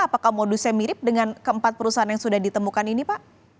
apakah modusnya mirip dengan keempat perusahaan yang sudah ditemukan ini pak